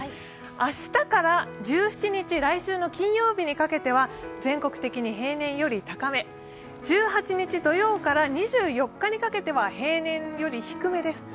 明日から１７日、来週の金曜日にかけては全国的に平年より高め、１８日土曜から２４日にかけては平年より低めです。